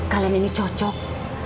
kalian ini cocok